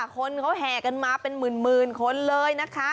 คนเขาแห่กันมาเป็นหมื่นคนเลยนะคะ